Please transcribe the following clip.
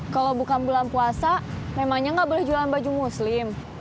kalau bukan bulan puasa memangnya nggak boleh jualan baju muslim